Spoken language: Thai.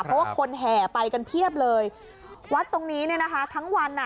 เพราะว่าคนแห่ไปกันเพียบเลยวัดตรงนี้เนี่ยนะคะทั้งวันอ่ะ